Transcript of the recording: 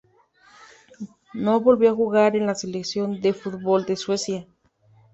No volvió a jugar en la Selección de fútbol de Suecia.